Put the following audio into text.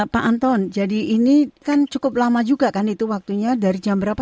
pak anton jadi ini kan cukup lama juga kan itu waktunya dari jam berapa